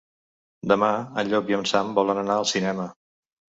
Demà en Llop i en Sam volen anar al cinema.